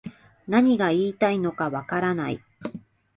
何が言いたいのかわからない